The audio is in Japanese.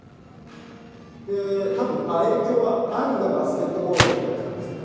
影響は兄がバスケットボールやってたんですね。